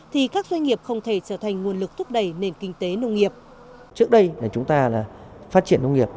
thì các doanh nghiệp không thể trở thành nguồn lực thúc đẩy nền kinh tế nông nghiệp